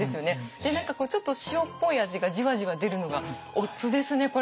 で何かこうちょっと塩っぽい味がじわじわ出るのがおつですねこれ。